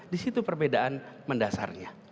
di situ perbedaan mendasarnya